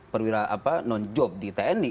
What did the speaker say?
perwira apa non job di tni